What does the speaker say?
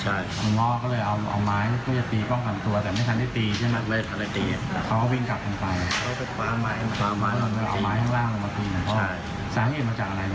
จากหมานั่นแหละหมามันเผ่านั่นเอง